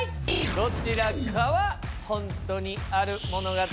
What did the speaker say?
どちらかはほんとにある物語。